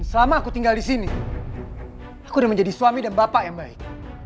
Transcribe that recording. selama aku tinggal di sini aku udah menjadi suami dan bapak yang baik